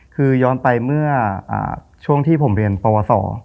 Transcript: คือย้อนไปเมื่อช่วงที่ผมเรียนปวสอ